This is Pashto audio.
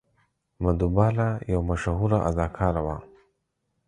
مدهو بالا یوه مشهوره اداکاره وه.